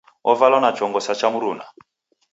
Ovalwa na chongo sa cha mruna.